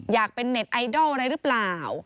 อยากเป็นเน็ตไอดอลอะไรหรือเปล่า